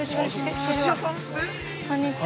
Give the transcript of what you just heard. ◆こんにちは。